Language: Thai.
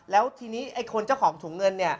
แล้วทีนี้คนเจ้าของถุงเงิน